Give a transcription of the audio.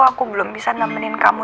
aku belum bisa nemenin kamu